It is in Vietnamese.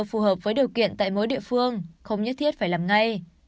phù hợp với điều kiện tại mỗi địa phương không nhất thiết phải làm ngay